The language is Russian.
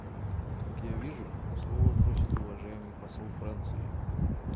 Как я вижу, слова просит уважаемый посол Франции.